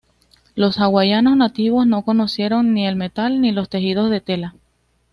Los hawaianos nativos no conocieron ni el metal ni los tejidos de tela.